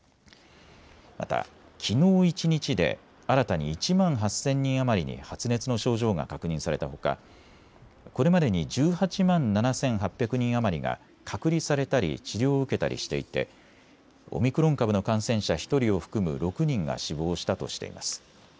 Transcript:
また、きのう一日で新たに１万８０００人余りに発熱の症状が確認されたほかこれまでに１８万７８００人余りが隔離されたり治療を受けたりしていてオミクロン株の感染者１人を含む６人が死亡したとしています。